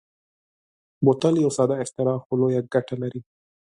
بوتل یو ساده اختراع خو لویه ګټه لري.